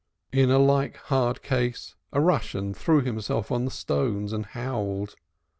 In like hard case a Russian threw himself on the stones and howled.